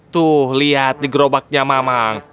tuh lihat di gerobaknya mama